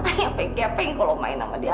ayu apa apa kalau main sama dia